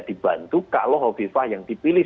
dibantu kalau hovifah yang dipilih